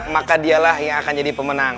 maka dialah yang akan jadi pemenang